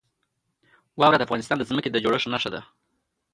واوره د افغانستان د ځمکې د جوړښت نښه ده.